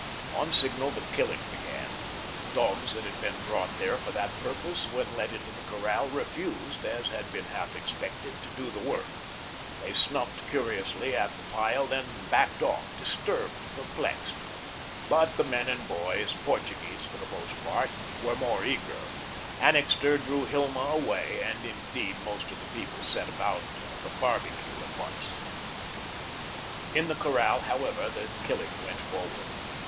On signal, the killing began. Dogs that had been brought there for that purpose when let into the corral refused, as had been half expected, to do the work. They snuffed curiously at the pile, then backed off, disturbed, perplexed. But the men and boys Portuguese for the most part were more eager. Annixter drew Hilma away, and, indeed, most of the people set about the barbecue at once. In the corral, however, the killing went forward.